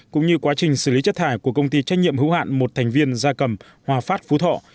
cũng như quá trình xử lý chất thải của công ty trách nhiệm hữu hạn một thành viên gia cầm hòa phát phú thọ